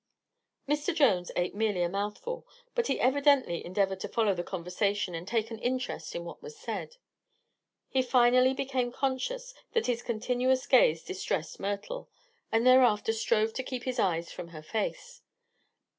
Mr. Jones ate merely a mouthful, but he evidently endeavored to follow the conversation and take an interest in what was said. He finally became conscious that his continuous gaze distressed Myrtle, and thereafter strove to keep his eyes from her face.